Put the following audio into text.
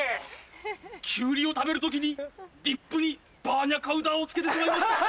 キュウリを食べる時にディップにバーニャカウダを付けてしまいました。